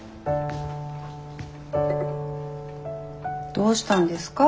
どうしたんですか？